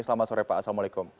selamat sore pak assalamualaikum